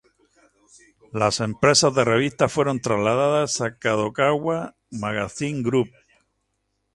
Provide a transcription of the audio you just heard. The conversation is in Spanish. Las empresas de revistas fueron trasladadas a "Kadokawa Magazine Group".